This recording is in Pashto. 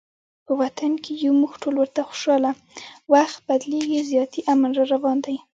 په وطن کې یو موږ ټول ورته خوشحاله، وخت بدلیږي زیاتي امن راروان دي